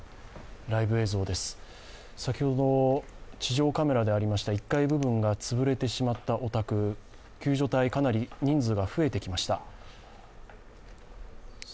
ライブ映像です、先ほどの地上カメラでありました１階部分が潰れてしまったお宅、救助隊、かなり人数が増えてきました